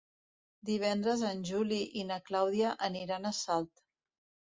Divendres en Juli i na Clàudia aniran a Salt.